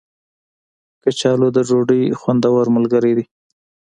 کچالو د ډوډۍ خوندور ملګری دی